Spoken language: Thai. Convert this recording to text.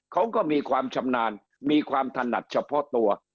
เขาก็มีความชำนาญมีความถนัดเฉพาะตัว